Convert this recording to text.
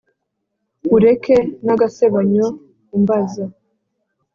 ureke n’agasebanyo umbaza,